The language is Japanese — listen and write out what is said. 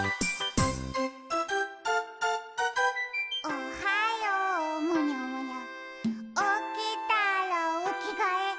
「おはようむにゃむにゃおきたらおきがえ」